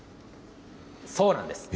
そうなんです。